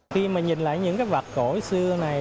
khi mà nhìn lại những cái vạc cổ xưa này